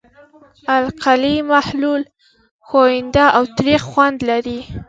د القلي محلول ښوینده او تریخ خوند لري.